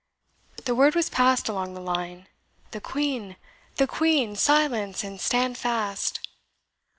The word was passed along the line, "The Queen! The Queen! Silence, and stand fast!"